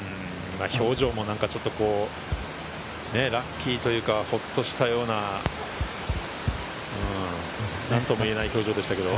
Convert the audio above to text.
表情もラッキーというか、ホッとしたような何とも言えない表情でしたけど。